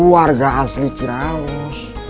warga asli ciraus